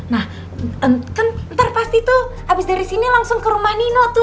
nah kan ntar pasti tuh habis dari sini langsung ke rumah nino tuh